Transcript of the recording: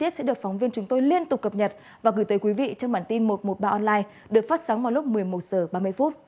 sẽ được phóng viên chúng tôi liên tục cập nhật và gửi tới quý vị trong bản tin một trăm một mươi ba online được phát sóng vào lúc một mươi một h ba mươi